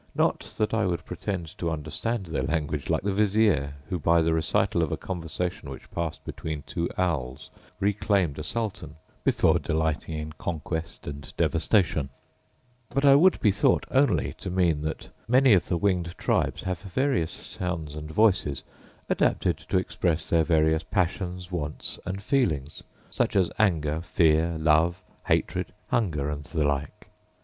Not that I would pretend to understand their language like the vizier of the Spectator, who, by the recital of a conversation which passed between two owls, reclaimed a sultan,* before delighting in conquest and devastation; but I would be thought only to mean that many of the winged tribes have various sounds and voices adapted to express their various passions, wants, and feelings; such as anger, fear, love, hatred, hunger, and the like.